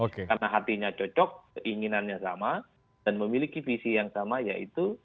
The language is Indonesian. karena hatinya cocok keinginannya sama dan memiliki visi yang sama yaitu